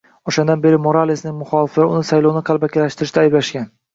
O'shandan beri Moralesning muxoliflari uni saylovni qalbakilashtirishda ayblashgan